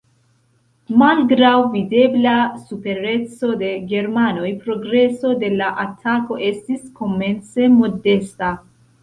Malgraŭ videbla supereco de germanoj progreso de la atako estis komence modesta.